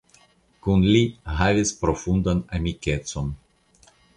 Kun li havis profundan amikecon.